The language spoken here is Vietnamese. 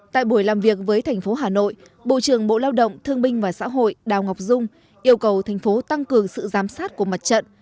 tại buổi làm việc với thành phố hà nội bộ trưởng bộ lao động thương minh và xã hội đào ngọc dung yêu cầu thành phố tăng cường sự giám sát